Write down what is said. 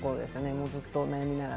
もうずっと悩みながら。